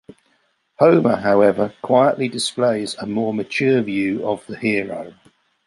Homer, however, quietly displays a more mature view of the hero.